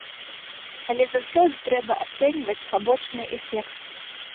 Але заўсёды трэба ацэньваць пабочны эфект.